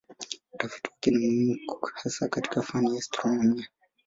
Utafiti wake ni muhimu hasa katika fani ya astronomia.